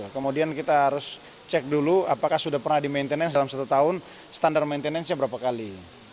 kemudian kita harus cek dulu apakah sudah pernah dimaintenance dalam satu tahun standar maintenancenya berapa kali